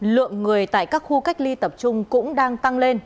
lượng người tại các khu cách ly tập trung cũng đang tăng lên